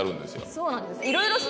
そうなんですよ